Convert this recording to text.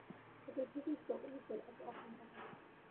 এতে শ্রীযুক্ত অমিতের এত আশঙ্কা কেন।